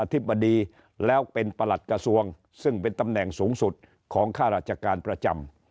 ธิบดีแล้วเป็นประหลัดกระทรวงซึ่งเป็นตำแหน่งสูงสุดของข้าราชการประจำ